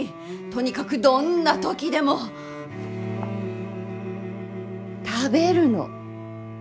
とにかくどんな時でも食べるの。